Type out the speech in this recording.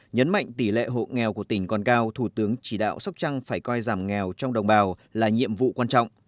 nhấn mạnh tỷ lệ hộ nghèo của tỉnh còn cao thủ tướng chỉ đạo sóc trăng phải coi giảm nghèo trong đồng bào là nhiệm vụ quan trọng